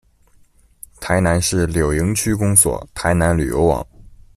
台南市柳营区公所台南旅游网